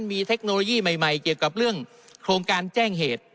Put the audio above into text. มีเทคโนโลยีใหม่เกี่ยวกับเรื่องโครงการแจ้งเหตุ